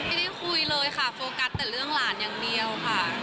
ไม่ได้คุยเลยค่ะโฟกัสแต่เรื่องหลานอย่างเดียวค่ะ